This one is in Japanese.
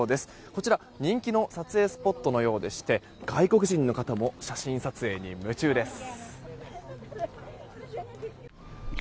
こちら人気の撮影スポットのようでして外国人の方も写真撮影に夢中です。